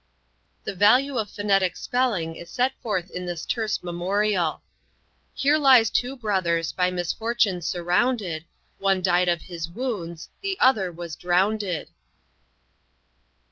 The value of phonetic spelling is set forth in this terse memorial: "Here lies two brothers by misfortune surrounded One died of his wounds, the other was drounded."